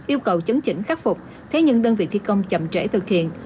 yêu cầu chấn chỉnh khắc phục thế nhưng đơn vị thi công chậm trễ thực hiện